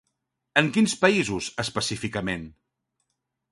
En quins països, específicament?